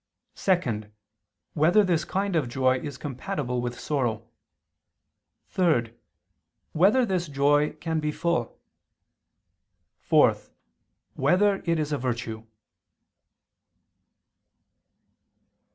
(2) Whether this kind of joy is compatible with sorrow? (3) Whether this joy can be full? (4) Whether it is a virtue?